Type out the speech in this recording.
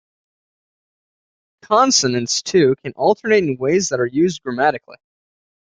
Consonants, too, can alternate in ways that are used grammatically.